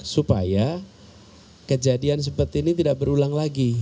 supaya kejadian seperti ini tidak berulang lagi